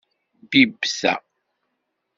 Bibb ta.